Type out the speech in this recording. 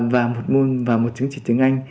và một môn và một chứng trị tiếng anh